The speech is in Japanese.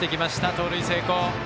盗塁成功。